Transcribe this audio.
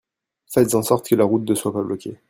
Faites en sorte que la route de soit pas bloquée.